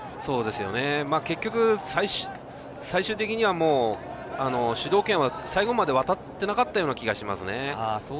結局、最終的には主導権は最後まで渡ってなかったような気がしますね。